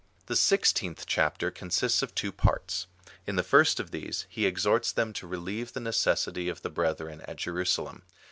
The sixteenth chapter consists of two parts. In the first of these he exhorts them to relieve the necessity of the brethren at Jerusalem.